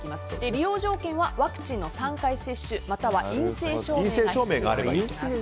利用条件はワクチンの３回接種陰性証明があれば。